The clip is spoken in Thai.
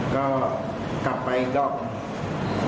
ก็กลับไปอีกรอบหนึ่ง